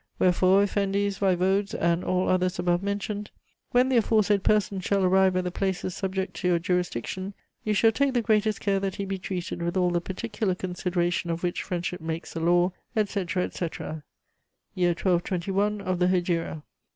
"Wherefore, effendis, vaïvodes, and all others above mentioned, when the aforesaid person shall arrive at the places subject to your jurisdiction, you shall take the greatest care that he be treated with all the particular consideration of which friendship makes a law, etc., etc "Year 1221 of the Hegira."